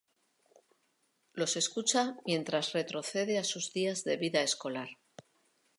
Los escucha mientras retrocede a sus días de vida escolar.